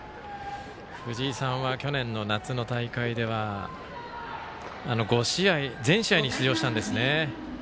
藤井さんは去年の夏の大会では５試合全試合に出場したんですね。